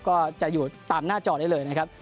ก็จะอยู่ตามหน้าจอได้เลยนะครับ